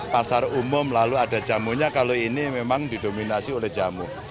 pasar umum lalu ada jamunya kalau ini memang didominasi oleh jamu